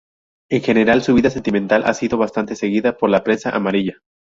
En general, su vida sentimental ha sido bastante seguida por la prensa amarilla.